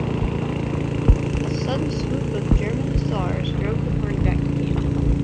A sudden swoop of German hussars drove the party back to camp.